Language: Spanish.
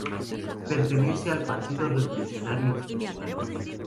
Perteneciente al Partido Revolucionario Institucional.